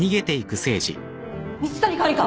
蜜谷管理官！？